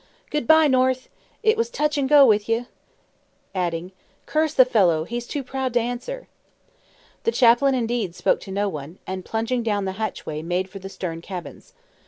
"Good bye, North! It was touch and go with ye!" adding, "Curse the fellow, he's too proud to answer!" The chaplain indeed spoke to no one, and plunging down the hatchway, made for the stern cabins.